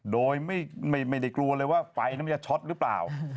โดยไม่ได้กลัวเลยว่าไฟนั้นมันจะช็อตหรือเปล่า